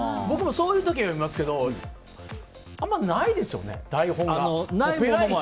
僕もそういう時は読みますけどあんまりないですよね。